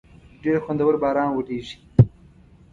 ډېر خوندور باران وریږی